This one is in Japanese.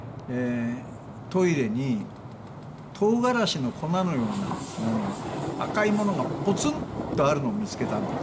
トイレに唐辛子の粉のようなものが赤いものがぽつんとあるのを見付けたんですね。